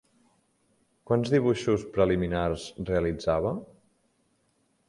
Quants dibuixos preliminars realitzava?